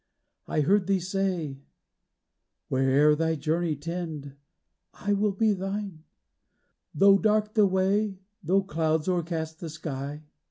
— I heard thee say: " Where'er thy journey tend I will be thine ; Though dark the way, though clouds o'ercast the sky.